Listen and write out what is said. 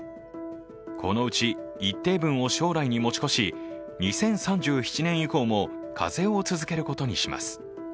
このうち、一定分を将来に持ち越し、２０３７年以降も課税を続けることにします。